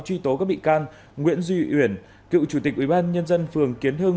truy tố các bị can nguyễn duy uyển cựu chủ tịch ubnd phường kiến hưng